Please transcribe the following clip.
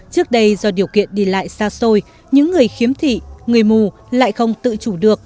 trước đây do điều kiện đi lại xa xôi những người khiếm thị người mù lại không tự chủ được